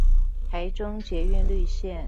台中捷運綠綫